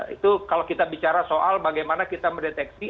itu kalau kita bicara soal bagaimana kita mendeteksi